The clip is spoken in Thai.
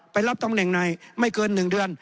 รับตำแหน่งในไม่เกิน๑เดือน